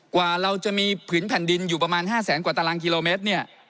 กว่าเราจะมีผืนแผ่นดินอยู่ประมาณ๕แสนกว่าตารางกิโลเมตรเนี่ย